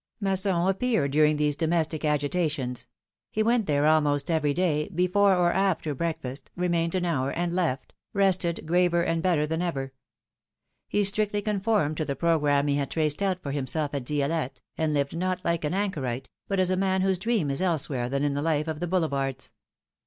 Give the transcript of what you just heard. ASSON appeared during these domestic agitations; he went there almost every day, before or after breakfast, remained an hour, and left — rested, graver and better than ever. He strictly conformed to the programme he had traced out for himself at Dielette, and lived not like an anchorite, but as a man whose dream is elsewhere than in the life of the Boulevards.